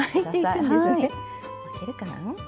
巻けるかな？